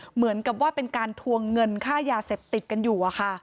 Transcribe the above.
เหมือนกับว่าเป็นการทวงเงินค่ายาเสพติดกันอยู่